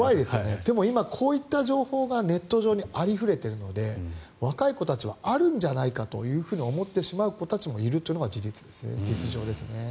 でも、今、こういった情報がネット上にあふれてしまっているのであるんじゃないかというふうに思ってしまう子たちもいるというのが実情ですね。